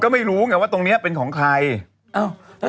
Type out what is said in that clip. ก็ไม่รู้ไงว่าตรงนี้เป็นของใคร